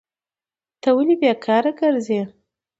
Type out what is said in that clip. ته ولي بیکاره کرځي؟